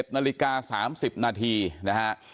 นาฬิกา๓๐นาทีนะฮะ